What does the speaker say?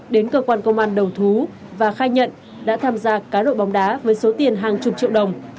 đến cơ quan công an đầu thú và khai nhận đã tham gia cá độ bóng đá với số tiền hàng chục triệu đồng